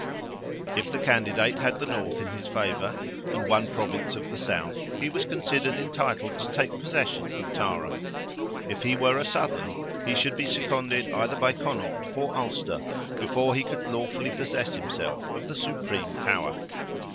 If the candidate had the North in his favour, and one Province of the South, he was considered entitled to take possession of Tara; if he were a Southern, he should be seconded either by Connaught or Ulster, before he could lawfully possess himself of the supreme power.